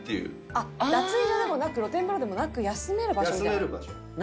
あっ脱衣所でもなく露天風呂でもなく休める場所みたいな。